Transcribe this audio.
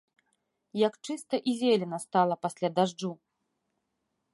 Як чыста і зелена стала пасля дажджу.